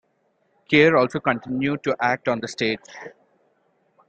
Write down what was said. Keir also continued to act on the stage.